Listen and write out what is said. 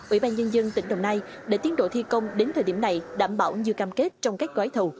ủy ban nhân dân tỉnh đồng nai để tiến độ thi công đến thời điểm này đảm bảo như cam kết trong các gói thầu